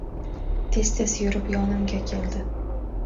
Tez-tez yurib yonimga keldi.